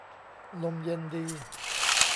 ลมเย็นดี